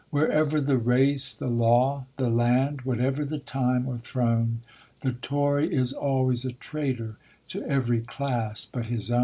Wherever the race, the law, the land whatever the time, or throne, The tory is always a traitor to every class but his own.